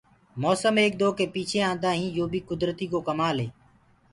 موسم ايڪآ دوڪي پ ميٚڇي آندآ هينٚ يو بي ڪُدرتي ڪو ڪمآل هي۔